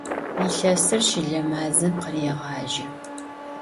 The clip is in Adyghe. Yilhesır şıle mazem khırêğaje.